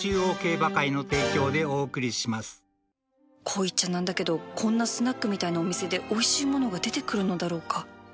こう言っちゃなんだけどこんなスナックみたいなお店でおいしいものが出てくるのだろうか？